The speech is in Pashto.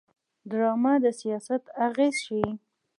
ډرامه د سیاست اغېز ښيي